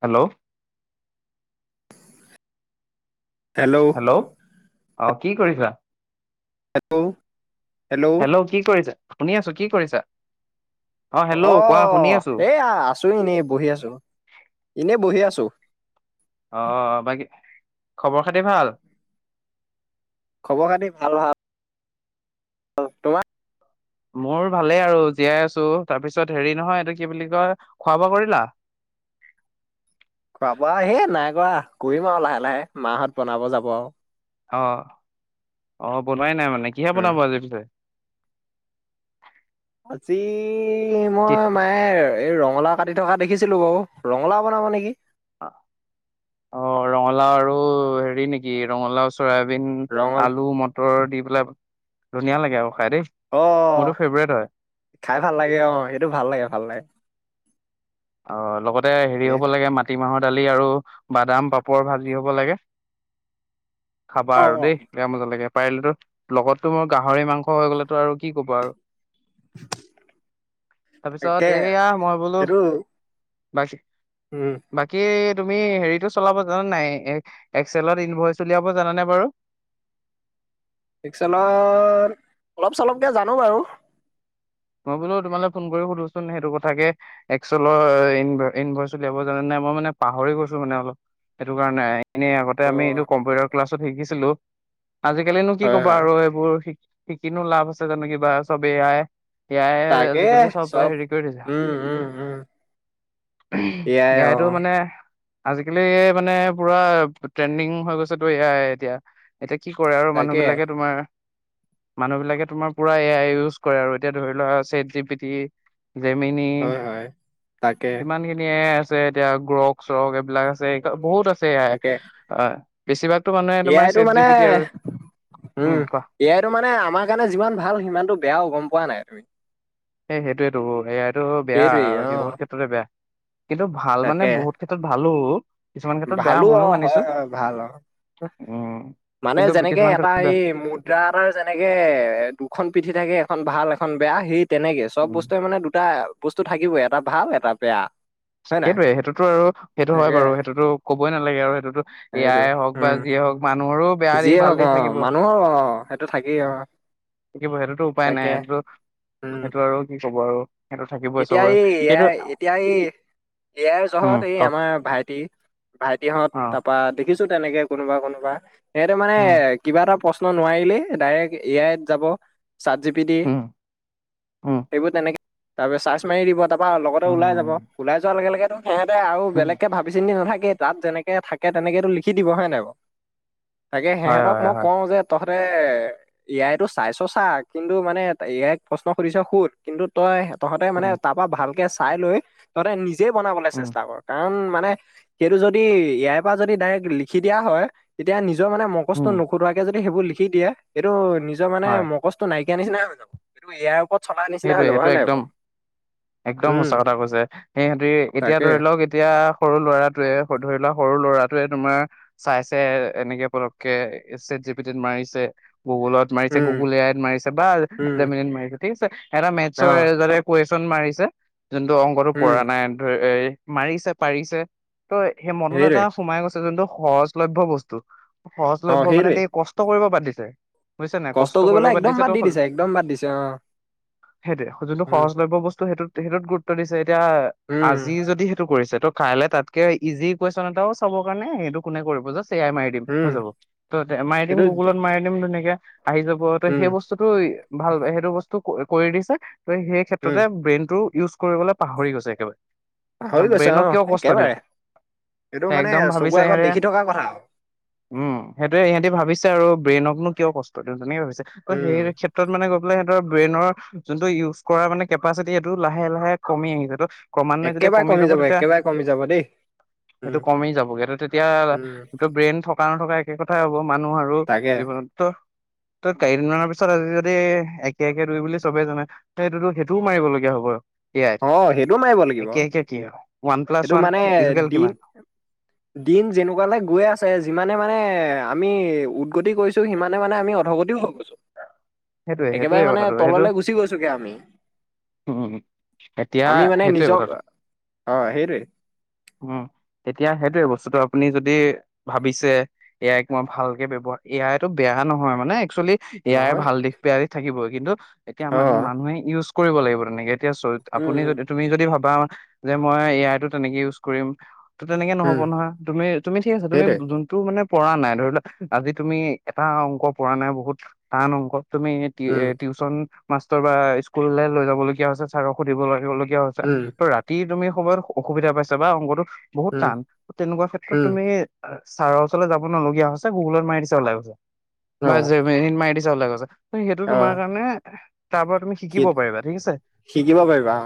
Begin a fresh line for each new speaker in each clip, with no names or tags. Hello
hello
অ কি কৰিছিলা
হেল্ল'
হেল্ল' কি কৰিছে শুনি আছো কি কৰিছা হেল্ল'
অ
কোৱা শুনি আছো
এয়া আছো এনেই বহি আছো এনেই বহি আছো
অ বাকে খবৰ খাতি ভাল
খবৰ খাতি ভাল ভাল তোমাৰ
মোৰ ভালেই আৰু জীয়াই আছো তাৰ পিছত হেৰি নহয় এইটো কি বুলি কয় খোৱা বোৱা কৰিলা
খাব আৰু হে নাই কৰা কৰিম আৰু লাহে লাহে মাহত বনাব যাব আৰু
অ অ বনোৱাই নাই মানে মানে কিহে
উম
বনাব আজি পিছে
আজি এই
কি
মই মায়ে এই ৰং ৰঙলাও কাটি থকা দেখিছিলো বাৰু, ৰঙালাও বনাব নেকি।
অঁ ৰঙালাও আৰু হেৰি নেকি ৰঙালাও চয়াবিন
ৰঙাল
আলু মটৰ দি পেলাই ধুনীয়া লাগে আৰু। খাই দেই
অঁ,
মোৰতো ফেভৰেট হয়
খাই ভাল লাগে অঁ, সেইটো ভাল লাগে- ভাল লাগে।
অঁ লগত হেৰি
তাকে
হ'ব লাগে, মাটি মাহত দালি আৰু বাদাম পাপৰ ভাজি হ'ব লাগে। খাবা
অ
আৰু
অ
দেই বেয়া মজা লাগে। পাৰিলেতো লগততো মোৰ গাহৰি মাংস হৈ গ'লেতো আৰু কি ক'বা আৰু। তাৰপিছত
তাকেহে
এয়া মই বোলো
সেইটো
[unintelligible]
উম
বাকী তুমি হেৰিটো চলাব জানা নাই, এই এক্সেলত ইনভইচ উলিয়াব জানা নে বাৰু।
একচেলত, অলপ চলপকে জানো বাৰু।
মই বোলো তোমালে ফোন কৰি সোধোচোন সেইটো কথাকে এক্চলৰ ইনভইচ উলিয়াব জানা নাই, মই মানে পাহৰি গৈছো মানে অলপ সেইটো কাৰণে এনেই আগতে
অ
আমি এইটো কম্পিউটাৰ ক্লাছত শিকিছিলো আজিকালিনো কি
হয়
ক'বা
হয়
আৰু এইবোৰ শ সিকিনো লাভ আছে জানো কিবা, চব A I. A I A
তাকে
আজিকালি চব হেৰি কৰি দিছে,
উম উম উম এয়াই
এ
অ
আইতো মানে আজিকালি মানে পুৰা ট্ৰেণ্ডিং হৈ গৈছেতো এ য়াই এতিয়া। এতিয়া কি কৰে আৰু মানুহ
তাকে
বিলাকে তোমাৰ মানুহ বিলাকে তোমাৰ পুৰা এ আই ইউজ কৰে আৰু। এতিয়া ধৰি লোৱা, চেট জি পিটি জেমিনী,
হয় হয় তাকে
কিমানখিনি এ আই আছে আছে এতিয়া গ্ৰক চ্ৰক এইবিলাক আছে, বহুত আছে ছে, অঁ বেছিভাগ
এ আইতটো মানে, উম এ আইটো মানে আমাৰ কাৰণে যিমান ভাল সিমানটো বেয়াও গম পোৱা নাই। [unintelligible]
এ সেইটোয়েতো এ আইটো বেয়া
সেইটোৱেই অ
বহুত ক্ষেত্ৰতে বেয়া, কিন্তু ভাল মানে
তাকে
বহুত ক্ষেত্ৰত ভালো। কিছুমান ক্ষেত্ৰত বেয়া
ভালো
ময়ো
অ হয়
মানিছো
হয় ভাল অ
উম।
মানে
কিন্তু
যেনেকে
কিছুমান
এটা
ক্ষেত্ৰত
এই মুদ্ৰা এটাৰ যেনেকে দুখন পিঠি থাকে এখন ভাল এখন বেয়া সেইত- তেনেকে চব
বেয়া।
বস্তুৱে মানে দুটা বস্তু থাকিবই এটা ভাল এটা বেয়া হয় নাই
সেইটোয়ে সেইটোতো আৰু সেইটো হয়
তাকে
বাৰু সেইটোতো ক'বই নালাগে আৰু সেইটোতো
সেইটো
এয়াই হওক বা
উম
যিয়ে হওক মান
যিয়ে হওক অ মানুহৰ আহ সেইটো থাকেই অ
থাকিব সেইটোতো উপায় নাই
তাকে
সেইটোতো
উম
সেইটো আৰু কি ক'ব আৰু সেইটো থাকিবই
এতিয়া
চবৰে
এই এ
সেইটো
আই এতিয়া এই এ আইৰ
উম
জহত এই
কওক
আমাৰ ভাইটি ভাইটিহঁত
অ
তাৰ পা দেখিছো তেনেকে কোনোবা কোনোবা সেইটো মানে
উম
কিবা এটা প্ৰশ্ন নোৱাৰিলেই ডাইৰেক্ট এ আইত যাব চাট জিপি টি
উম উম
সেইবোৰ তেনেকে তাৰপছ চাৰ্ছ মাৰি দিব তা- লগতে ওলাই যাব
উম
ওলাই যোৱাৰ লগে লগে সিহঁতে আৰু
উম
বেলেগকে ভাবি চিন্তি নাথাকে তাত যেনেকে থাকে তেনেকো লিখি দিব হয় নাই বাৰু তাকে
হয়
সিহঁতক
হয়
মই
হয়
কওঁ যে তহঁত ত এ আই টো চাইছ চা কিন্তু মানে এ আই ক প্ৰশ্ন সুধিছ শুধ কিন্তু তই তহঁতে মানে
উম
তাৰ পৰা ভালকে চাই লৈ তহতে নিজ নিজে বনাবলৈ
উম
চেষ্টা কৰ কাৰণ মান সেইটো যদি ইয়াৰপৰা যদি দাইৰেক লিখি দিয়া হয় তেতিয়া নিজৰ মানে মগজটো
উম
নুখোটোৱাকে যদি সেইবোৰ লিখি দিয়া এইটো নিজৰ মানে
হয়
মগজটো নাইক- নিচিনা হৈ যাব এইটো এ আইৰ ওপৰত চলা নিচিনা হৈ
সেইটোৱে
যাব
সেইটো
হয়নে নাই
একদম
বাও
একদম সঁচা কথা কৈছে সিহঁতি এতিয়া
তাকে
ধৰি লওক এতিয়া সৰু ল'ৰাটোৱে ধৰি লোৱা সৰু ল'ৰাটোৱে তোমাৰ চাইছে এনেকে পতককে চেট জিপিটিত মাৰিছে গুগুলত মাৰিছে
উম
গুগুল এ আইত মাৰিছে বাছ
উম
জেমিনিত মাৰিছে ঠিক আছে মে
অ
য [unintelligible] [unintelligible] যোনটো অংকটো পৰা
উম
নাই ধ এই [unintelligible] মাৰিছে পাৰিছে তই সেই মনত
সেইটোৱে
এটা সোমাই গৈছে ইটো কিন্তু সহজলভ্য বস্তু সহজ লভ্য মানে দে কষ্ট কৰিব পাৰে। দিছে। বুজিছা নাই কষ্ট
কষ্টটো
কৰিব
কৰিবলে একদম বাদ দি
তো
দিছে একদম বাদ দিছে অহ
সেইটোৱে যোনটো সহজলভ্য বস্তু সেইটোত গুৰুত্ব দিছে এতিয়া আজি
উম,
যদি সেইটো কৰিছে ত' কাইলে তাতকে ইজি কুৱেশচন এটাও চাব কাৰণে সেইটো কোনে কৰিব য়াই মাৰি দিম হৈ
উম,
যাব ত মাৰি দিম
সেইটো
গুগুলত মাৰি দিম ধুনীয়াকে। আহি যাব ত
উম,
সেই বস্তুটো ভাল সেইটো বস্তু কৰি দিছে তই সেই
উম,
ক্ষেত্ৰতে ব্ৰেইনটো ইউজ কৰিবলৈ পাহৰি গৈছে একেবাৰে
পাহৰি গৈছে
ব্ৰেইনক
অ',
কিয় কষ্ট দিয়
একেবাৰে এইটো মানে
একদম
চকুৰ
ভাবিছো
আগত
ইহতে
দেখি থকা কথা আৰু।
উম সেইটয়ে ইহঁতি ভাবিছে আৰু ব্ৰেইনকনো কিয় কষ্ট পৰন্ত [unintelligible] অহ
উম,
সেই ক্ষেত্ৰত মানে সিহঁতৰ ব্ৰেইনৰ যোনটো ইউজ কৰা মানে কেপাচিটি সেইটো লাহে লাহে কমি আহিছে ক্ৰমান্নই যেতিয়া
একেবাৰে
কমি যাব তেতিয়া
একেবাৰে কমি যাব দেই।
সেইটো
উম,
কমি যাব গে তেতিয়া
উম,
এইটো ব্ৰেইন থকা নথকা সেই কথাই হ'ব। মানুহ আৰু
তাকে
জীৱনত ত ত কেইদিনমানৰ পিছত আজি যদি সয়াকে দুই বুলি চবে জানে ত সেইটোতো সেইটোও মাৰিবলগীয়া হ'ব আৰু
অ সেইটোও মাৰিব লাগিব
কি হয়? ওৱান প্লাছ
সেইটো
ওৱান
মানে
ইজুকেল কিমান
দিন দিন যেনেকুৱালৈ গৈ আছে যিমানে মানে এ আমি উদগতি কৰিছো সিমানে মানে আমি অৰ্ধগতিও হৈ গৈছো
সেইটোয়ে সেইটোয়ে
একেবাৰে মানে
কথাটো সেইটো
তললে গুচি গৈছোগে আমি
উম এতিয়া
আমি মানে
সেইটোৱে
নিজক
কথাটো
অ', সেইটোৱে
উম তেতিয়া সেইটো বস্তুটো আপুনি যদি ভাবিছে এ আইক মই ভালকে ব্ৱহাৰ এ আইটো বেয়া নহয় মানে এক্চেলি এয়াই
নহয়
ভাল দিশ থাকিব কিন্তু এতিয়া মানে
অ',
মানুহে ইউজ কৰিব লাগিব তেনেকে এতিয়া
উম,
আপুনি
উম,
যদি তুমি যদি ভাবা যে মই এ আই টো তেনেকে ইউজ কৰিম ত তেনেকে নহ'ব
উম,
নহয় তুমি তুমিঠিক আছে তুমি
সেইটোৱে
যোনটো মানে পৰা নাই ধৰিলোৱা আজি তুমি এটা অংক পৰা নাই বহুত টান অংক তুমি
উম,
টউশন মাষ্টৰ বা স্কুললৈ লৈ যাবলগীয়া হৈছে ছাৰক সুধিব লাগিব হৈছে
উম,
ত' ৰাতি তুমি সময়ত অসুবিধা পাইছে বা অংটোো বহুত
উম,
টান তেনেকুৱা ক্ষেত্ৰত
উম,
তুমি ছাৰৰ ওচৰ যাব নলগীয়া হৈছে গুগলত মাৰি দিছে ওলাই গছছে
অ'।
ব ম ওলে কৈছে সেইটো
আহ
তোমাৰ কাৰণে তাৰ পৰা তুমি
শি
শিকিব পাৰিবা ঠিক আছে
শিকিব পাৰিবা অ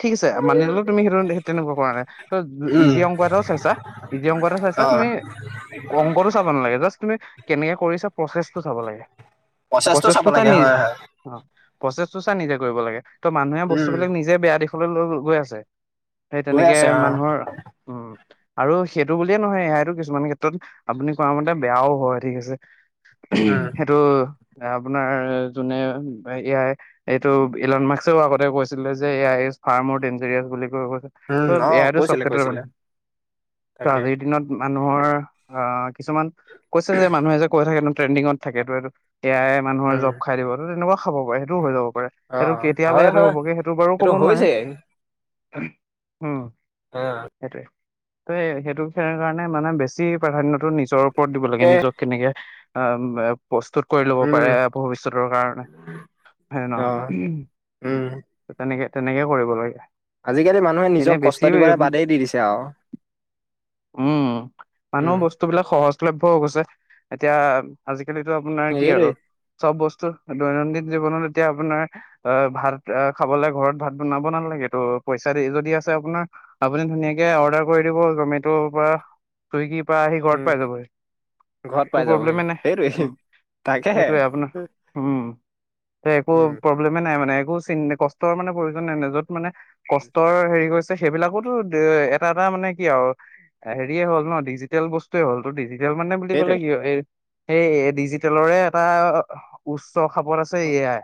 ঠিক আছে মানি ললেো তুমি সেইটো স তেনেকুৱা কাৰণাই ত
উম
ইজি অংক এটাও চাইছা ইি অংক এটা চাইছা
অ
তুমি অংকটো চাব নালাগে জাষ্ট তুমি কেনেকে কৰিছে প্ৰচেছটো চাব লাগে
প্ৰচেছটো চাব
চাই
লাগে
নিজে
হয় হয়
অ প্ৰচেছটো চা নিজে কৰিব লাগে ত
উম
মানুহেস্তুবিলাক নিজেয়া দি ল গৈ আছে সেই
গৈ
তেনেকে
আছে অ
মানুহৰ উম আৰু সেইটো বুলিয়ে নহয় এয়াইতো কিছুমান ক্ষেত্ৰত আপুনি কোৱা মতে বেয়াও হয় ঠিক আছে
উম
সেইটোটো আপোনাৰ যোনে এয়াৰ এইটো ইলনমাৰ্কছেও আগতে কৈছিলে যে এ ফাৰ মৰ ডন্জৰিয়াছ বুলি ত
উম অ
এয়াো চব
কৈছিলে
কট
কৈছিলে
ত
তাকে
আজিৰ দিনত মানুহৰ আহ কিছুমান কৈছে যে মানুহে যে কৈ থাকে ট্ৰেণ্ডিঙত থাকে এইটো এইটো এতিয়াই মানুহৰ
উম
জপ খাই দিবতো তেনেকুৱা খাব পাৰে সেইটোও হৈ যাব পাৰে
অ
সেইটো কেতিয়ালৈ
হয়
সেইটো
হয়
হ'বগে সেইটো বাৰু ক'ব নোৱাৰিম উম উম
অ
সেইটোৱে ত সেইটো কাৰণে মানে বেছি প্ৰাধান্যয়টো নিজৰ। ওপৰত দিব লাগে
তাকে
নিজক কেনেকে। উ উ প্ৰস্তুত। কৰি ল'ব
উম
পাৰে ভৱিষ্যতৰ কাৰণে হয়ে
অ উম
নহ তেনেকে। তেনেকে কৰিব লাগে।
আজিকালি মানুহে নিজক
এনে
কষ্ট
বেছি
দিবলৈ বাদেই দি দিছে আৰু
উম
উম।
মানুহ বস্তুবিলাক সহজলভ্য গৈছে এতিয়া আজিকালিতো আপোনাৰ। কি আৰু
সেইটোৱে
চব বস্তু। দৈনন্দিন জীৱনত এতিয়া আপোনাৰ অহ ভাত খাবলে ঘৰত ভাত বনাব নালাগে ত' পইচা দি যদি আছে। আপোনাৰ আপুনি ধুনীয়াকে অৰ্ডাৰ কৰি দিব জমেট পৰা চুইগি। পৰা আহি ঘৰত
উম
পাই যাবহ
ঘৰত
একো
পাই যাবহি
প্ৰব্লেমে নাই
সেইটোৱে
উম।
তাকেহে
সেইটোৱে আপোনাৰ উম এ একো
উম
প্ৰব্লেমে। নাই মানে একো চ কষ্টৰ মানে প্ৰয়োজন নাই নে যত মানে কষ্টৰ হেৰি কৰিছে। সেইবিলাকোতো এটা এটা মানে কি আৰু হেৰিে হ'ল ন ডিজিটেল বস্তুৱয়ে হল। জল মানে বুলি ক'লে
সেইটোৱে
কি হয় এই। সেই ডিজিটেলৰে। এটা উচিত। চ খাপত আছে। এয়াই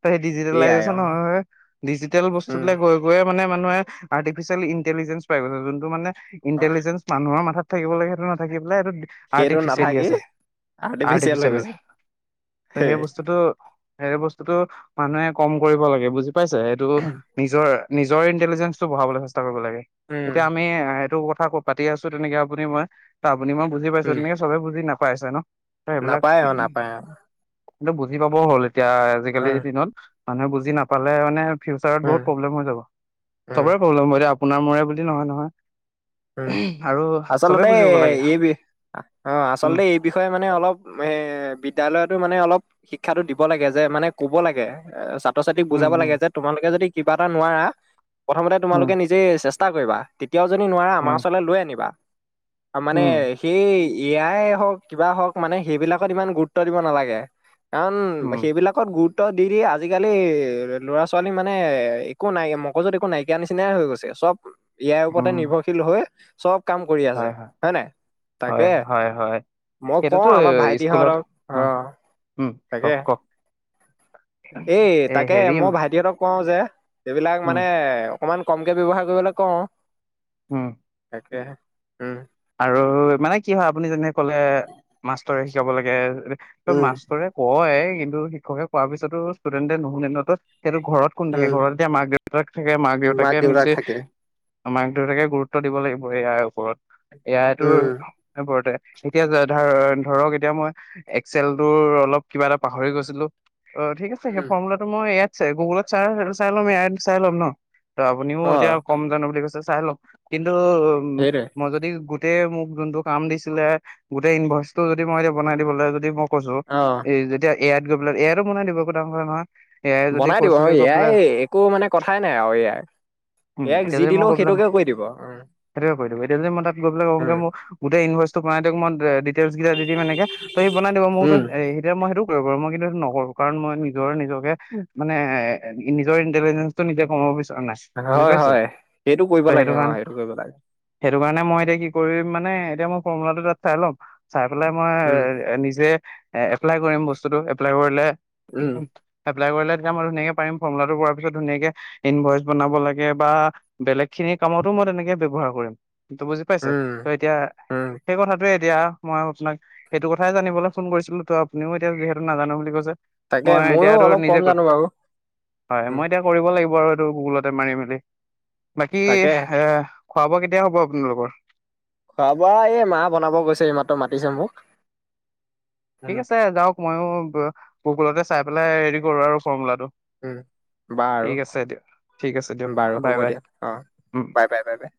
ত সেই
এয়াই
ডিজিটেলাইজেচন
অ
হয় ডিজিটেল বস্তু
উম
গৈ গৈ। মানে মানুহে আৰ্টিফিচিয়েল ইণ্টেলিজেঞ্চাই গছে যোনটো মানে।
অ
ইণ্টেলিজেন্ঞ্চ মানুহৰ মাথাত। থাকি লাগে সেইটো নথাকিব।
সেইটো
আৰ্টিফিচিয়েলি
নাথাকি
আছে।
হৈ
আৰ্টিফিচিয়েল
গৈছে
ত সেই বস্তুতটো। সেই বস্তুতটো মানুহে কম কৰিব লাগে বুজি। পাইছে এইটো নিজৰ। নিজৰ ইণ্টেলিজেঞ্চ টো বঢ়াব হৈছে। লাগে
উম
এতিয়া আমি সেইটো। কথা ক পাতি আছো তেনেকে আপুনি মই তাৰ। আপুনি মই বুজি পায়ে
উম
তেনেকে চবেই বুজি নেপায়। খাই আছে ন। ত সেইবিলাক
নাপায় অ নাপায় অ।
কিন্তু বুজি পাবও হ'ল। এতিয়া আজিকালিৰ
উম
দিনত। মানুহে বুজি নাপালে মানে। ফিউচাৰত বহুত
উম
প্ৰব্লেম হৈ
উম
যাববৰে প্ৰব্লেম। সোণাৰ মৰে বুলি নহয় নহয়
উম
আৰু চবে
আচলতে
বুজি পাব লাগে
এই বি অ
উম
আচলতে এই বিষয়ে মানে অলপ এ বিদ্য়ালয়তো মানে অলপ শিক্ষাটো দিব লাগে যে মানে ক'ব লাগে ছ্ৰ
উম
ছাতকুজাব
উম
লাগে যে তোালোকে যদি কিবা এটা নোৱাৰা প্ৰথমতে
উম
তোমালোকে নিজেই চেষ্টা তেতিয়াও মা
উম
চললে লৈ আনিবা মানে
উম
সেই এয়াই হওক কিবা হওক মানে সেইবিলাকত ইমান গুৰুত্ব দিব নালাগে কাৰণ
উম
সেইবিলাকত গোট দি দি আজিকালি ল'ৰা ছোৱালী মানে একো নাই মগজত একো নাইকিয়া নিচিনাই হৈ গৈছে চব ইয়াৰ ওপৰতে
উম
নিভৰ হয় চব কাম কৰি আছে হয় নাই তাকে
হয় হয় হয়
মই কওঁ
সেইটোতো
আমাৰ
স্কুলত
ভাইটিহঁতক
অ
আহ
উম
তাকে
কওক কওক
এ তাকে মই ভাইটিহঁতক কওঁ যে সেইবিলাক
উম
মানে অকমান কমকে ব্যয়ৱহাৰ কৰিবলৈ কওঁ
হম
ে
মানে কি যাব লাগে তই
উম
মাষ্টৰে কয় কিন্তু শিক্ষকে পোৱাৰ পিছতো ষ্টুডেন্টে নুশুন ন তত সেইতো ঘৰত কোন থাকে
উম
ঘৰত এতিয়া মাক দেউতাক থাকে মাক দেউতাকে
দেউতাক
নিজে
থাকে
মাক দেউতাকে গুৰুত্ব দিব লাগিব ইয়াৰ ওপৰত এয়াতো
উম
বৰতে এতিয়া যা ধৰণ ধৰক এতিয়া মই এক্সেলতোৰ অলপ কিবা এটা পাহৰি গৈছিলো অ ঠিক আছে সেই
উম
ফৰ্মুলাটো মই ইয়াত যে গুগলত চাৰ চাই ল'ময় চাই ল'ম ন অ আপুনিও এতিয়া কম জানো বুলি কৈছে চাই ল'ম কিন্ত কিটো
সেইটোৱে
উ মই যদি গোটেই মোক যোনটো কাম দিছিলে গোটেই ইনভাৰচ টো যদি মই এতিয়া বনাই দিব লাগ যদি মোক কৈছো
অ
এই যেতিয়া এয়াত গৈেললে এয়াতো মনাই দিব গোটাংৰ নহয় এ আই যদি
বনাই দিব ম
কৈছোগে গৈ
ইয়াই
পেলাই
একো মানে কথাই নাই আৰু ইয়াই
উম
ইয়াক
এতিয়া
যি
যদি মই
দিলেও
গৈ পেলাই
সেইটোকে কৰিৈ দিব উ
গৈাক অে ম গোেই ইউভাৰ তোম ম কেইটা দিম এনেকে ত স বনাই দিব মোকো
উম
এতিয়া মই সেইটো মই কিন্তু এইটো নকৰো কাৰণ মই নিজৰ নিজকে মানে এ নিজৰ ইন্টেলিজেন্ঞ্চটো নিজে কমাব বিচাৰো
হয় হয় সেইটো কৰিব লাগে অ সেইটো কৰিব লাগে
সটো কাৰণে মই এতিয়া কি কৰিম মানে এতিয়া মই ফৰ্মলাটো তাত চাই ল'ম চাই পেলাই মই
উম
এ নিজে এ এপ্লাই কৰিম বস্তুটো এপ্লাই কৰিলে
উম
[inaudible] মই ধুন পাৰম ফৰ্মোলাটো প পিছত ধুনীয়াকে ইনভইচ বনাব লাগে বা বেলেগ খিনি কামতো মই তেনেকে ব্যৱহাৰ কৰিম পাইছে
উম
ত এতিয়া
উম
সেই কথাটোোৱে এতিয়া মই আপোনাক সেইটো কথাই জানিবলৈ ফোন কৰিছিলো তো আপুনিও এতিয়া যিহেতু নাজানো বুলি কৈছে
তাকে
মই
ময়ো
এতিয়াতো
অলপ কম
নিজেো
জানো বাৰু
হয়
উম
মই এতিয়া কৰিব লাগিব বাৰ এইটো গুগুলতে মাৰি মেলি বাকি
তাকে
এ খোৱা বোৱা কেতিয়া হ'ব আপোনালোকৰ
খোৱা বোৱা এই মাহ বনাব গৈছে ই মাতো মাতিছে মোক
ঠিক
উম
আছে যাওক মইো গকুলতে চাই পেলাই হেৰি কৰো আৰু ফৰ্ম লটো
উম বা আৰু
ঠিক আছে দিয়ক
বাৰু
বাই
হ'ব
বাই
দিয়া অ
উম।
Bye bye bye bye